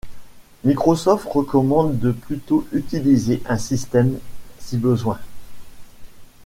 Microsoft recommande de plutôt utiliser un système si besoin.